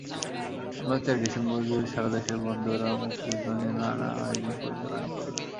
আমরা চাই, ডিসেম্বরজুড়ে সারা দেশের বন্ধুরা মুক্তিযুদ্ধ নিয়ে নানা আয়োজন পরিচালনা করবেন।